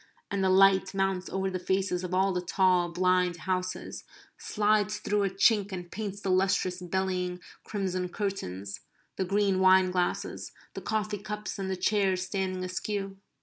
And the light mounts over the faces of all the tall blind houses, slides through a chink and paints the lustrous bellying crimson curtains; the green wine glasses; the coffee cups; and the chairs standing askew.